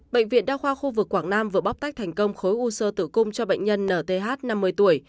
bệnh viện đa khoa khu vực quảng nam vừa bóc tách thành công khối u sơ tử cung cho bệnh nhân nth năm mươi tuổi